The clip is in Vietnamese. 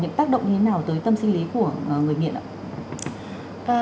những tác động như thế nào tới tâm sinh lý của người nghiện ạ